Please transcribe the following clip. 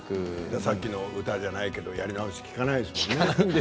さっきの歌じゃないけどやり直しは利かないですよね